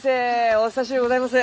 お久しゅうございます！